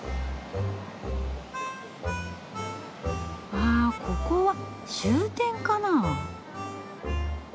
わここは終点かな。